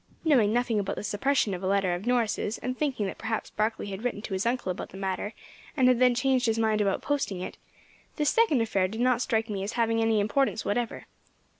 Knowing nothing about the suppression of a letter of Norris's, and thinking that perhaps Barkley had written to his uncle about the matter, and had then changed his mind about posting it, this second affair did not strike me as having any importance whatever.